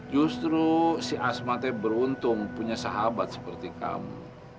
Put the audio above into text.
justru si asmatnya beruntung punya sahabat seperti kamu